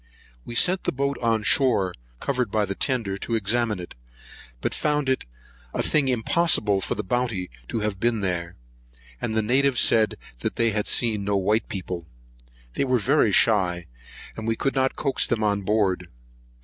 We sent the boat on shore, covered by the tender, to examine it; but found it a thing impossible for the Bounty to have been there; and the natives said they had seen no white people. They were very shy, and we could not coax them on board.